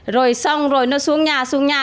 rồi xong rồi nó xuống nhà xuống nhà